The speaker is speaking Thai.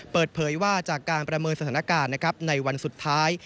เปิดเผยว่าจากการประเมินสถานการณ์ในวันสุดท้าย